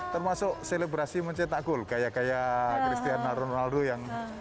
termasuk selebrasi mencetak gol kayak kaya cristiano ronaldo yang